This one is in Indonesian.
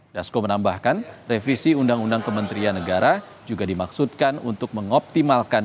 dasko menambahkan revisi undang undang kementerian negara juga dimaksudkan untuk mengoptimalkan